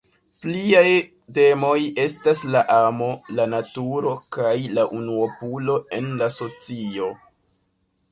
Pliaj temoj estas la amo, la naturo kaj la unuopulo en la socio.